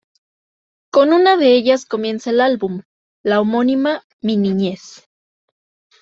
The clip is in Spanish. Con una de ellas comienza el álbum, la homónima ""Mi niñez"".